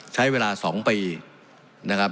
ใช้เวลา๒ปีนะครับ